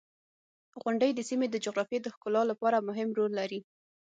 • غونډۍ د سیمې د جغرافیې د ښکلا لپاره مهم رول لري.